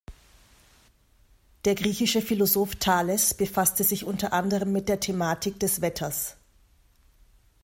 Der griechische Philosoph Thales befasste sich unter anderem mit der Thematik des Wetters.